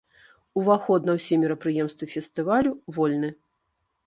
Уваход на ўсе мерапрыемствы фестывалю вольны.